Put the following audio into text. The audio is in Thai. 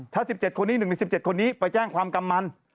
ถ้า๑ใน๑๗คนนี้ไปแจ้งความกำมัน